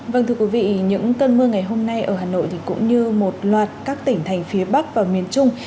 vâng thưa quý vị những cơn mưa ngày hôm nay ở hà nội cũng như một loạt các tỉnh thành phía bắc và miền trung